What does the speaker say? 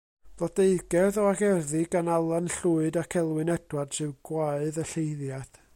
Blodeugerdd o gerddi gan Alan Llwyd ac Elwyn Edwards yw Gwaedd y Lleiddiad.